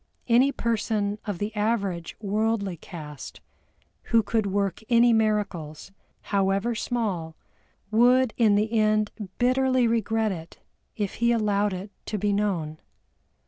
Any person of the average worldly cast who could work any miracles, however small, would in the end bitterly regret it if he allowed it to be known.